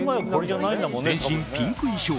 全身ピンク衣装